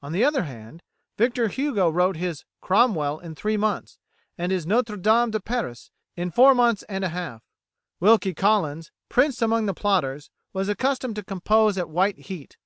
On the other hand, Victor Hugo wrote his "Cromwell" in three months, and his "Notre Dame de Paris" in four months and a half. Wilkie Collins, prince among the plotters, was accustomed to compose at white heat.